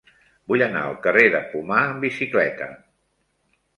Vull anar al carrer de Pomar amb bicicleta.